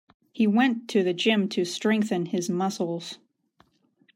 He went to gym to strengthen his muscles.